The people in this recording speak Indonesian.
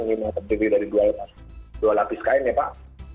ini terdiri dari dua lapis kain ya pak